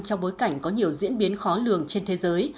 trong bối cảnh có nhiều diễn biến khó lường trên thế giới